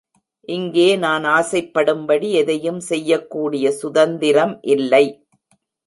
இங்கே நான் ஆசைப்படும்படி எதையும் செய்யக்கூடிய சுதந்திரம் இல்லை.